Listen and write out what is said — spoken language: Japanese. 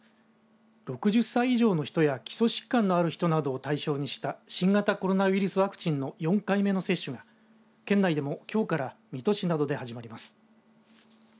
６０歳以上の人や基礎疾患のある人などを対象にした新型コロナウイルスワクチンの４回目の接種が県内でも、きょうから水戸市などで始まります。